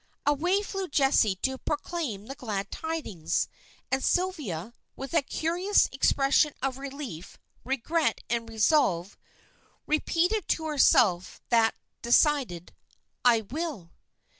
Away flew Jessie to proclaim the glad tidings, and Sylvia, with a curious expression of relief, regret, and resolve, repeated to herself that decided "I will."